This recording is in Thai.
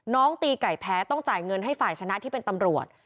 ตีไก่แพ้ต้องจ่ายเงินให้ฝ่ายชนะที่เป็นตำรวจ